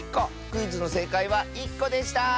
クイズのせいかいは１こでした！